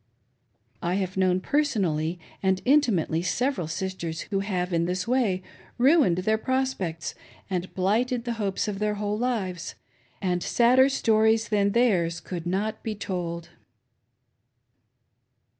I havp known personally and intimately several sisters who have in this way ruined their prospects and blighted the hopes of . •particular friends." 531 their whole lives, and sadder stories than theirs could not be told.